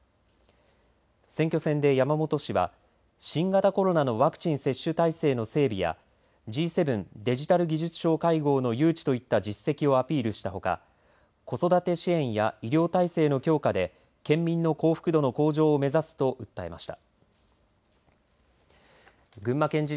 選挙戦で山本氏は新型コロナのワクチン接種体制の整備やＧ７デジタル・技術相会合の誘致といった実績をアピールしたほか子育て支援や医療体制の強化で県民の幸福度の向上を目指すと訴えました。